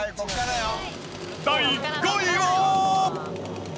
第５位は。